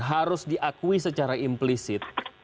harus diakui secara implicit